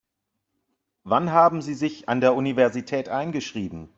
Wann haben Sie sich an der Universität eingeschrieben?